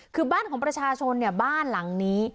คือบ้านของประชาชนเนี่ยบ้านหลังนี้